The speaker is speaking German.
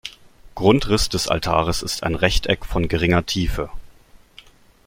Grundriss des Altares ist ein Rechteck von geringer Tiefe.